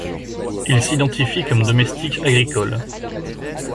Il s'identifie comme domestique agricole.